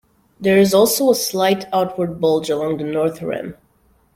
There is also a slight outward bulge along the north rim.